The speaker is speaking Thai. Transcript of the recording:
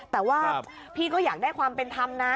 แต่ว่าพี่ก็อยากได้ความเป็นธรรมนะ